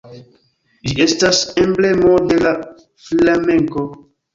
Ĝi estas emblemo de la Flamenko.